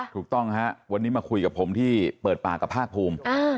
ถูกต้องฮะวันนี้มาคุยกับผมที่เปิดปากกับภาคภูมิ